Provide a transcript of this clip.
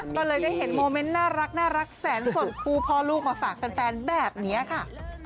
ก็เลยได้เห็นโมเมนต์น่ารักแสนสนคู่พ่อลูกมาฝากแฟนแบบนี้ค่ะ